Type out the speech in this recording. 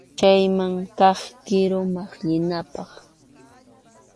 Chayman kaq kiru maqllinapaq.